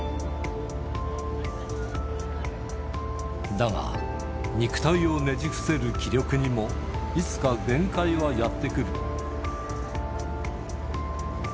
だが、肉体をねじ伏せる気力にも、いつか限界はやって来る。